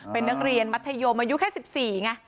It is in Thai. เป็นนักเรียนมัธยมอายุแค่๑๔ไง